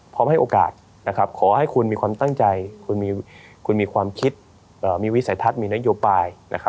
พร้อมให้โอกาสขอให้คุณมีความตั้งใจคุณมีความคิดมีวิสัยทัศน์มีนโยบาย